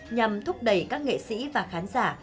nhằm thúc đẩy các nghệ sĩ và khán giả